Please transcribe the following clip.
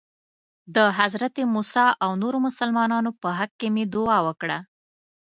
د حضرت موسی او نورو مسلمانانو په حق کې مې دعا وکړه.